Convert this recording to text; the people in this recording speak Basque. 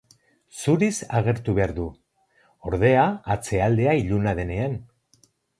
Zuriz agertu behar du, ordea, atzealdea iluna denean.